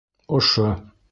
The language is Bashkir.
Ошо!